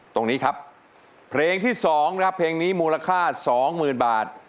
ตรงนี้ครับเพลงที่๒นะครับเพลงนี้มูลค่า๒๐๐๐บาท